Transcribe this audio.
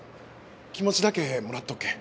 気持ちだけもらっとくけん。